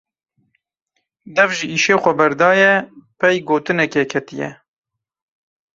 Dev ji îşê xwe berdaye pey gotinekê ketiye.